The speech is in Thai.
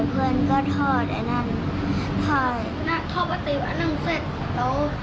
เพื่อนก็หลีกเครื่องตอนนั้นเพื่อนหยิบระเบิดแล้วเพื่อนก็ทอดไอ่นั่นทอด